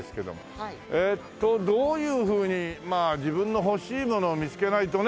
えーっとどういうふうにまあ自分の欲しいものを見つけないとねえ。